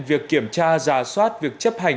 việc kiểm tra giả soát việc chấp hành